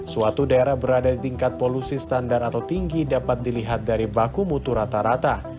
suatu daerah berada di tingkat polusi standar atau tinggi dapat dilihat dari baku mutu rata rata